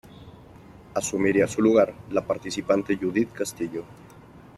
Asumiría su lugar la participante Judith Castillo.